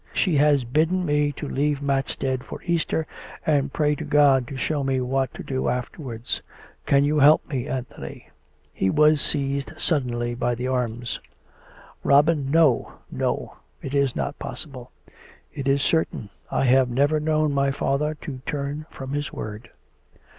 She has bidden me to leave Matstead for Easter, and pray to God to show me what to do afterwards. Can you help me, Anthony ?" He was seized suddenly by the arms. " Robin ... No .... no ! It is not possible !'*" It is certain. I have never known my father to turn from his word."